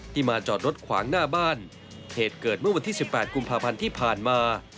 มาจอดรถขวางหน้าบ้านเหตุเกิดเมื่อวันที่๑๘กุมภาพันธ์ที่ผ่านมา